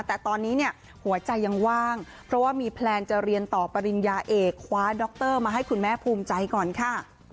แต่ตอนนี้เนี่ยหัวใจยังว่างเพราะว่ามีแพลนจะเรียนต่อปริญญาเอกคว้าดรมาให้คุณแม่ภูมิใจก่อนค่ะ